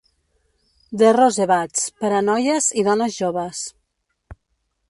The Rosebuds, per a noies i dones joves.